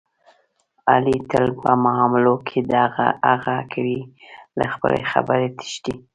علي تل په معاملو کې دغه هغه کوي، له خپلې خبرې تښتي.